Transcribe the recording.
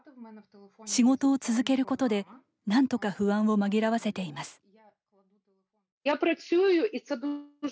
仕事を続けることでなんとか不安を紛らわせています。